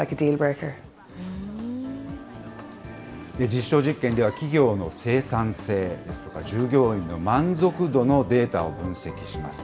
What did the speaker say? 実証実験では企業の生産性ですとか、従業員の満足度のデータを分析します。